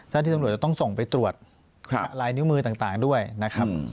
ที่ตำรวจจะต้องส่งไปตรวจลายนิ้วมือต่างด้วยนะครับ